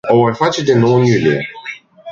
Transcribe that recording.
O va face din nou în iulie.